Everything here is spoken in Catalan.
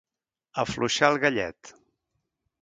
Afluixar el gallet.